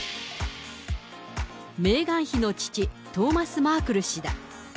メーガン妃の父、トーマス・マークル氏だ。